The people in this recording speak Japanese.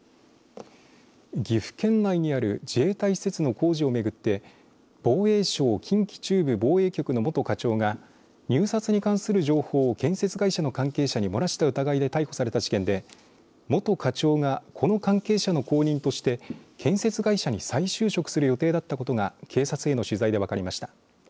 岐阜県内にある自衛隊施設の工事をめぐって防衛省近畿中部防衛局の元課長が入札に関する情報を建設会社の関係者に漏らした疑いで逮捕された事件で元課長がこの関係者の後任として建設会社に再就職する予定だったことが警察への取材で分かりました。